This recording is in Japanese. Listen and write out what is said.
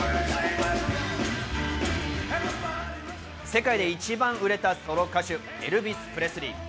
世界で一番売れたソロ歌手、エルヴィス・プレスリー。